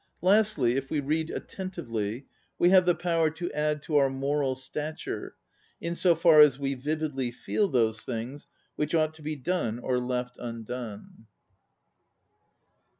Lastly, if we read attentively, we have the power to add to our moral stature, in so far as we vividly feel those things which ought to be done or left undone.